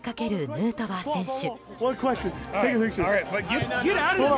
ヌートバー選手。